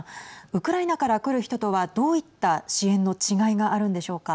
ウクライナから来る人とはどういった支援の違いがあるんでしょうか。